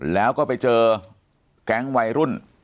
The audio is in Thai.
แล้วก็ไปเจอแก๊งวัยรุ่น